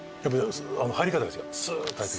入り方が違うスーッと入って。